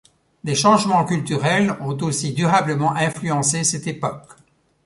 Des changements culturels ont aussi durablement influencé cette époque.